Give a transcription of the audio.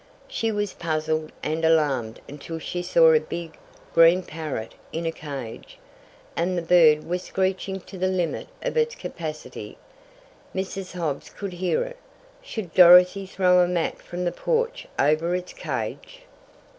She was puzzled and alarmed until she saw a big, green parrot in a cage. And the bird was screeching to the limit of its capacity. Mrs. Hobbs could hear it! Should Dorothy throw a mat from the porch over its cage!